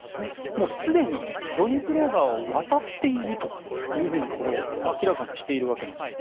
もうすでにドニプロ川を渡っていると明らかにしているわけです。